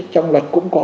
trong luật cũng có